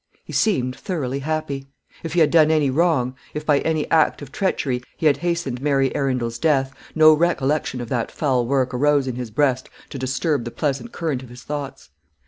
He seemed thoroughly happy. If he had done any wrong; if by any act of treachery he had hastened Mary Arundel's death, no recollection of that foul work arose in his breast to disturb the pleasant current of his thoughts.